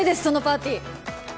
そのパーティー